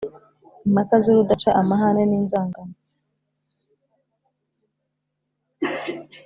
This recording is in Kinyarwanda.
impaka z’urudaca, amahane n’inzangano